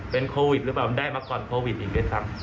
เป็นโควิดหรือเปล่าได้มาก่อนโควิดอีกด้วยซ้ำ